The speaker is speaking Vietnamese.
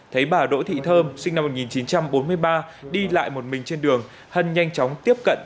thấy bà đỗ thị thơm sinh năm một nghìn chín trăm bốn mươi ba đi lại một mình trên đường hân nhanh chóng tiếp cận